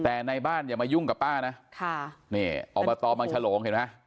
แต่ในบ้านอย่ามายุ่งกับป้านะค่ะนี่อบตบังฉลงเห็นไหม